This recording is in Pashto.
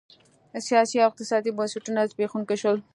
سیاسي او اقتصادي بنسټونه زبېښونکي شول.